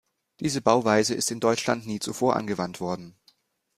Diese Bauweise ist in Deutschland nie zuvor angewandt worden.